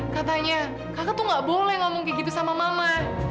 katanya kakak tuh gak boleh ngomong kayak gitu sama mama